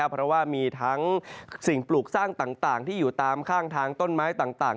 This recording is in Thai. เพราะว่ามีทั้งสิ่งปลูกสร้างต่างที่อยู่ตามข้างทางต้นไม้ต่าง